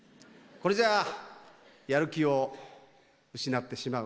これじゃあやる気を失ってしまう。